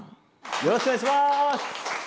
よろしくお願いします！